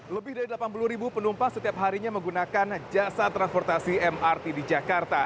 lebih dari delapan puluh ribu penumpang setiap harinya menggunakan jasa transportasi mrt di jakarta